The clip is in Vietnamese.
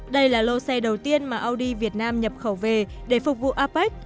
đây là lầu xe đầu tiên mà audi việt nam nhập khẩu về để phục vụ apec